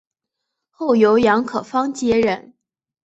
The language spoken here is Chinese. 后由杨可芳接任。